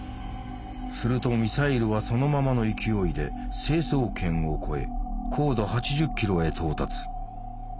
するとミサイルはそのままの勢いで成層圏を越え高度８０ｋｍへ到達。